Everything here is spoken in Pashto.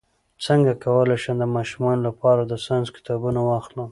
څنګه کولی شم د ماشومانو لپاره د ساینس کتابونه واخلم